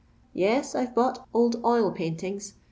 Yes, I 've bought old oil paintings.